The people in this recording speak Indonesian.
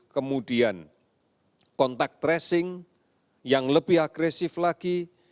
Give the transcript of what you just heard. kemudian kontak tracing yang lebih agresif lagi